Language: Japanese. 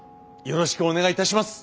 よろしくお願いします。